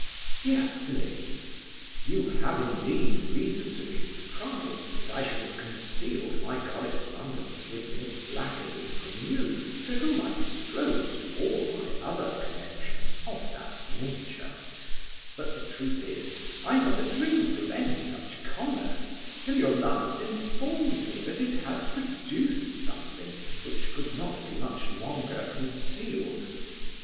DEAR PHILLIPS, You have, indeed, reason to be surprised, that I should have concealed my correspondence with miss Blackerby from you, to whom I disclosed all my other connexions of that nature; but the truth is, I never dreamed of any such commerce, till your last informed me, that it had produced something which could not be much longer concealed.